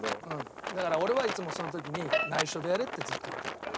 だから俺はいつもその時に「内緒でやれ！」ってずっと言ってた。